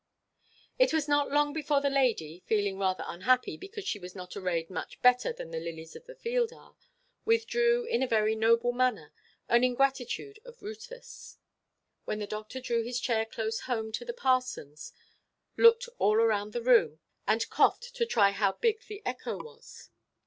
It was not long before the lady, feeling rather unhappy because she was not arrayed much better than the lilies of the field are, withdrew in a very noble manner, earning gratitude of Rufus. Then the doctor drew his chair close home to the parsonʼs, looked all round the room, and coughed to try how big the echo was.